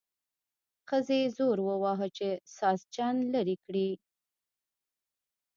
ښځې زور وواهه چې ساسچن لرې کړي.